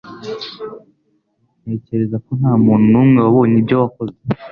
Ntekereza ko ntamuntu numwe wabonye ibyo wakoze.